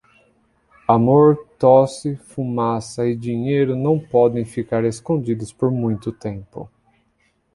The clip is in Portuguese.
Amor, tosse, fumaça e dinheiro não podem ficar escondidos por muito tempo.